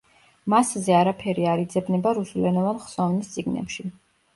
მასზე არაფერი არ იძებნება რუსულენოვან „ხსოვნის წიგნებში“.